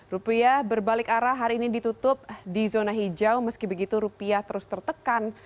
rupiah berbalik arah hari ini ditutup di zona hijau meski begitu rupiah terus tertekan